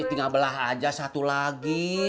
tinggal belah aja satu lagi